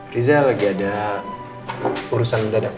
riza lagi ada urusan mendadak